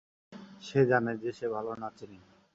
সে জানে যে, সে ভালো নাচেনি।